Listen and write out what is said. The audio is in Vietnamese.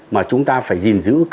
mà chúng ta phải gìn giữ